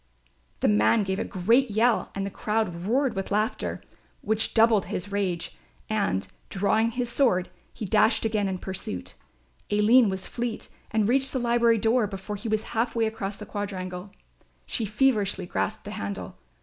The man gave a great yell and the crowd roared with laughter, which doubled his rage and, drawing his sword, he dashed again in pursuit. Aline was fleet and reached the library door before he was half way across the quadrangle. She feverishly grasped the handle.